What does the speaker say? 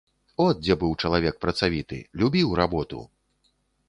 От дзе быў чалавек працавіты, любіў работу!